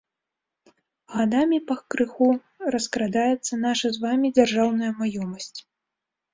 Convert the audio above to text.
Гадамі пакрыху раскрадаецца наша з вамі дзяржаўная маёмасць.